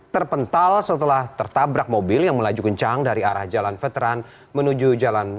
terpental setelah tertabrak mobil yang melaju kencang dari arah jalan veteran menuju jalan